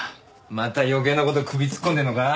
また余計な事首突っ込んでるのか？